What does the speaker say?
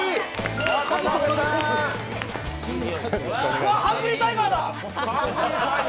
うわっ、ハングリータイガーだ！